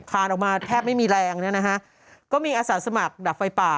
ผ่านออกมาแทบไม่มีแรงนะฮะก็มีอาศัยสมัครดับไฟป่า